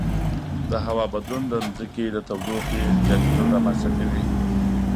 د هوا بدلون د ځمکې د تودوخې زیاتیدل رامنځته کوي.